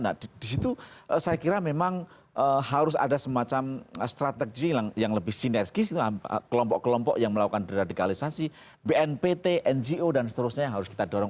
nah disitu saya kira memang harus ada semacam strategi yang lebih sinergis dengan kelompok kelompok yang melakukan deradikalisasi bnpt ngo dan seterusnya yang harus kita dorong